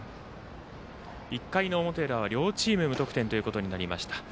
１回の表裏は両チーム無得点となりました。